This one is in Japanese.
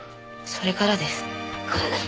それからです。